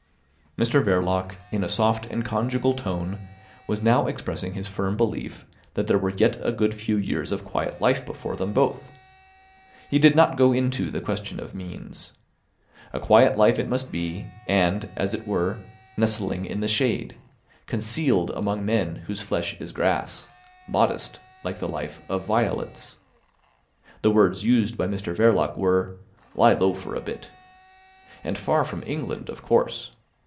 Mr Verloc, in a soft and conjugal tone, was now expressing his firm belief that there were yet a good few years of quiet life before them both. He did not go into the question of means. A quiet life it must be and, as it were, nestling in the shade, concealed among men whose flesh is grass; modest, like the life of violets. The words used by Mr Verloc were: "Lie low for a bit." And far from England, of course.